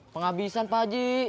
penghabisan pak aji